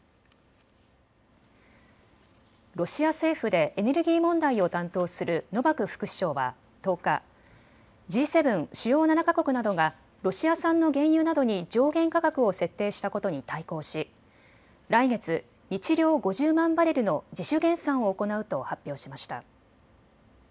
ロシア政府でエネルギー問題を担当するノバク副首相は１０日、Ｇ７・主要７か国などがロシア産の原油などに上限価格を設定したことに対抗し来月、日量５０万バレルの自主減産を行うと発表しました。